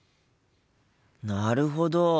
なるほど！